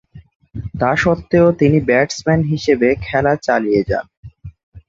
তাসত্ত্বেও তিনি ব্যাটসম্যান হিসেবে খেলা চালিয়ে যান।